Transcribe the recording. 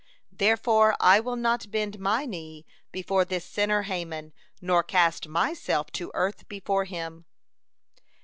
Therefore I will not bend my knee before this sinner Haman, nor cast myself to earth before him."